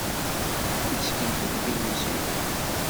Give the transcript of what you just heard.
Yeskaddeb yiwen seg-wen.